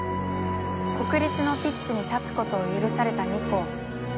国立のピッチに立つことを許された２校。